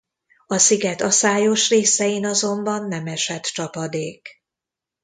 A sziget aszályos részein azonban nem esett csapadék.